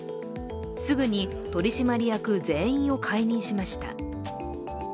すぐに取締役全員を解任しました。